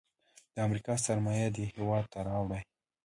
د امریکا سرمایه دې هیواد ته راوړي.